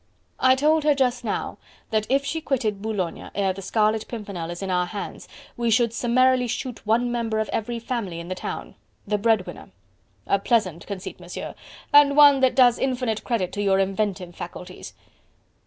"I told her just now that if she quitted Boulogne ere the Scarlet Pimpernel is in our hands, we should summarily shoot one member of every family in the town the bread winner." "A pleasant conceit, Monsieur... and one that does infinite credit to your inventive faculties."